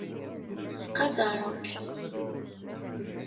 Ttqadaren-k.